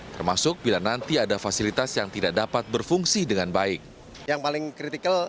termasuk bila nanti ada fasilitas yang tidak dapat diperlukan